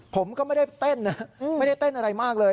ผมก็ไม่ได้เต้นนะไม่ได้เต้นอะไรมากเลย